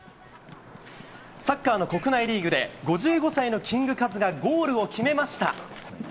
サッカーの国内リーグで、５５歳のキングカズがゴールを決めました。